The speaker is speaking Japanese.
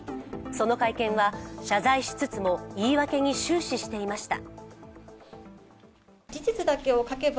その会見は、謝罪しつつも言い訳に終始していました。